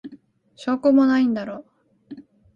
証拠もないんだろ。